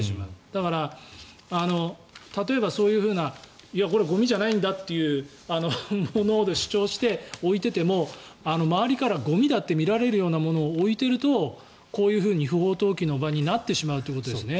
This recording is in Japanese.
だから、例えばそういうふうなこれ、ゴミじゃないんだと主張して置いていても周りからゴミだって見られるようなものを置いているとこういうふうに不法投棄の場になってしまうということですね。